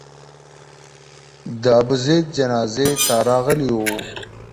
د ابوزید جنازې ته راغلي وو.